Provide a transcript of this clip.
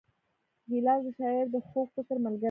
ګیلاس د شاعر د خوږ فکر ملګری دی.